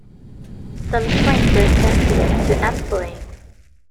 Some strains are sensitive to ampicillin.